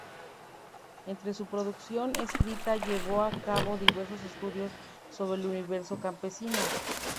Entre su producción escrita llevó a cabo diversos estudios sobre el universo campesino.